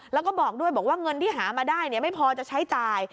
แล้วก็บอกด้วยบอกว่าเงินที่หามาได้ไม่พอจะใช้จ่าย